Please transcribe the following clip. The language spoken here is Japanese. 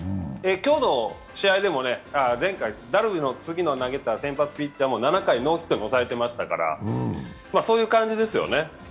今日の試合でも、前回ダルの次に投げた先発ピッチャーも７回、ノーヒットに抑えてましたからそういう感じですよね。